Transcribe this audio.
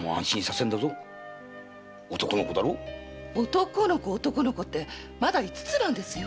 「男の子男の子」ってまだ五つなんですよ